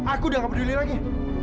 aku udah gak peduli lagi